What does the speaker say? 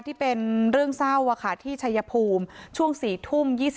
ที่เป็นเรื่องเศร้าที่ชัยภูมิช่วง๔ทุ่ม๒๕